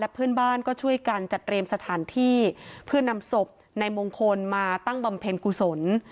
เพื่อนบ้านก็ช่วยกันจัดเตรียมสถานที่เพื่อนำศพนายมงคลมาตั้งบำเพ็ญกุศล